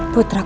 aku tidak mau